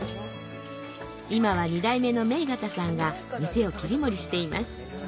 今は２代目の銘形さんが店を切り盛りしています